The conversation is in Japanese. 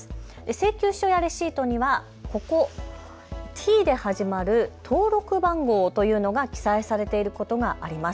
請求書やレシートには、ここ、Ｔで始まる登録番号というのが記載されていることがあります。